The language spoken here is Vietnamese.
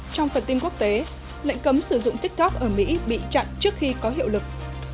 trong phần tin quốc tế lệnh cấm sử dụng tiktok ở mỹ bị chặn trước khi có hiệu lực